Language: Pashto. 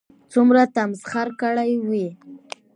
څومره تمسخر كړى وي